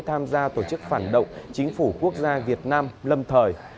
tham gia tổ chức phản động chính phủ quốc gia việt nam lâm thời